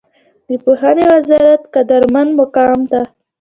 د پوهنې وزارت قدرمن مقام ته